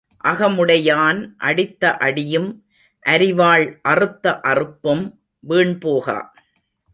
அகமுடையான் அடித்த அடியும் அரிவாள் அறுத்த அறுப்பும் வீண் போகா.